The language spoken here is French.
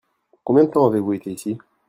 Combien de temps avez-vous été ici ?